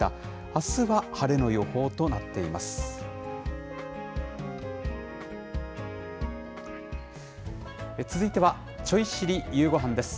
あすは晴れの予報となっています。